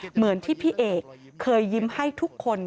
เหมือนที่พี่เอกเคยยิ้มให้ทุกคน